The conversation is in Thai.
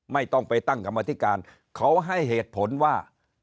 ไม่ต้องไปตั้งกรรมธิการเขาให้เหตุผลว่า